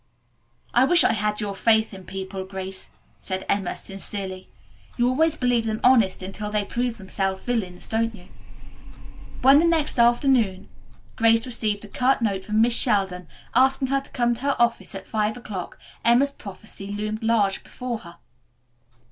"I wish I had your faith in people, Grace," said Emma sincerely. "You always believe them honest until they prove themselves villains, don't you?" When the next afternoon, Grace received a curt note from Miss Sheldon asking her to come to her office at five o'clock, Emma's prophesy loomed large before her.